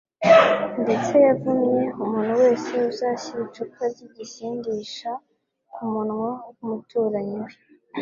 Ndetse yavumye umuntu wese uzashyira icupa ry’igisindisha ku munwa w’umuturanyi we